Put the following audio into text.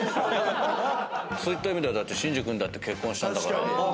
そういった意味では真治君だって結婚したんだから。